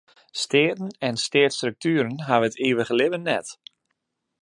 Steaten en steatsstruktueren hawwe it ivige libben net.